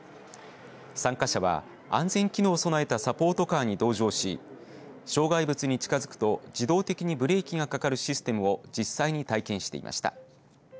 参加者は安全機能を備えたサポートカーに同乗し障害物に近づくと自動的にブレーキがかかるシステムを実際に体験していました。